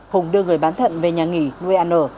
hùng đưa người bán thận về nhà nghỉ nuôi ăn ở